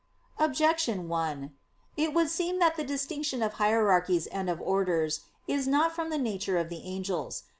Objection 1: It would seem that the distinction of hierarchies and of orders is not from the nature of the angels.